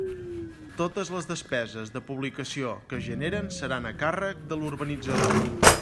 Totes les despeses de publicació que es generen seran a càrrec de l'urbanitzador.